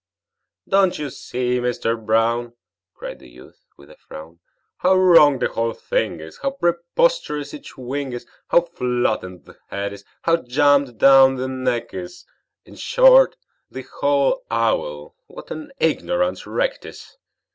"Don't you see, Mister Brown," Cried the youth, with a frown, "How wrong the whole thing is, How preposterous each wing is, How flattened the head is, how jammed down the neck is In short, the whole owl, what an ignorant wreck 't is!